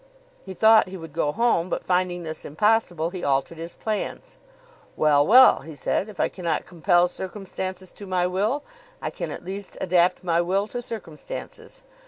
He thought he would go home, but, finding this impossible, he altered his plans. "Well, well," he said, "if I cannot compel circumstances to my will, I can at least adapt my will to circumstances.